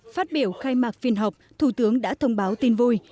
phát biểu khai mạc phiên họp thủ tướng đã thông báo tin vui